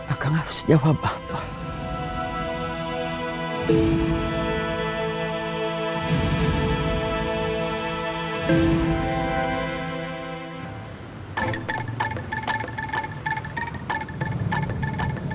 akang harus jawab akang